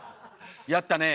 やったね。